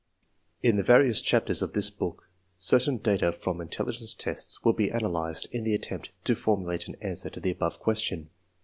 In the various chapters of this book certain data from intelligence tests will be analyzed in the attempt to formulate an answer to the above question.